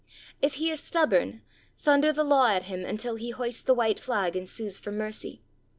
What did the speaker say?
If he is stubborn, thunder the law at him until he hoists the white flag and sues for mercy.